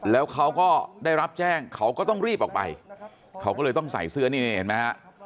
แล้วเขาก็ได้รับแจ้งเขาก็ต้องรีบออกไปเขาก็เลยต้องใส่เสื้อนี่เห็นไหมฮะ